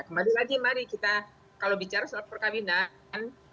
kembali lagi mari kita kalau bicara soal perkawinan